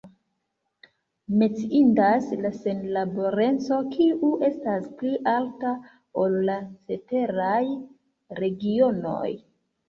Menciindas la senlaboreco, kiu estas pli alta, ol la ceteraj regionoj.